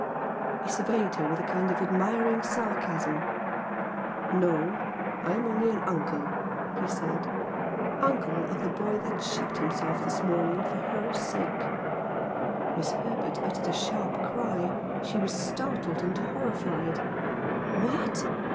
He surveyed her with a kind of admiring sarcasm. "No. I'm only an uncle," he said "Uncle of the boy that shot himself this morning for her sake!" Miss Herbert uttered a sharp cry. She was startled and horrified. "What!...